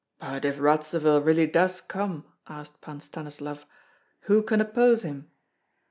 "But if Radzivill really does come," asked Pan Stanislav, "who can oppose him?"